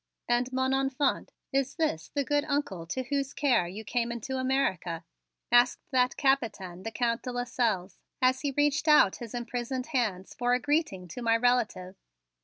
"And, mon enfant, is this the good Uncle to whose care you came into America?" asked that Capitaine, the Count de Lasselles, as he reached out his imprisoned hands for a greeting to my relative.